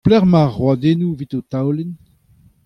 Pelecʼh emañ ar roadennoù evit ho taolenn ?